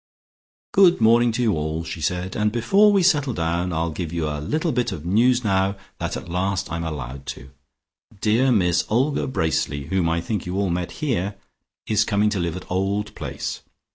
"Good morning to you all," she said, "and before we settle down I'll give you a little bit of news now that at last I'm allowed to. Dear Miss Olga Bracely, whom I think you all met here, is coming to live at Old Place.